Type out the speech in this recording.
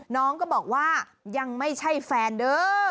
น้องก็บอกว่ายังไม่ใช่แฟนเด้อ